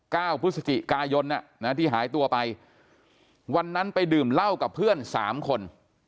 เก้าพฤศจิกายนอ่ะนะที่หายตัวไปวันนั้นไปดื่มเหล้ากับเพื่อนสามคน